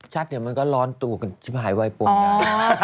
ชัดเดี๋ยวมันก็ร้อนตู้หายวัยปงนี่